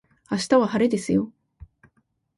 明日は晴れですよ